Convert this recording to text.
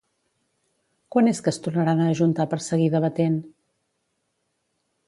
Quan és que es tornaran a ajuntar per seguir debatent?